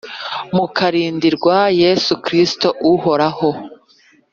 mukarindirwa yesu kristo uhoraho